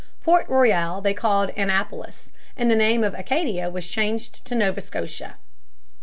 Port Royal they called Annapolis, and the name of Acadia was changed to Nova Scotia.